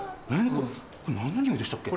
これ何の匂いでしたっけ？